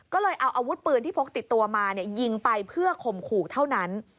ก็เลยเอาอาวุธปืนที่พกติดตัวมายิงไปเพื่อข่มขู่เท่านั้น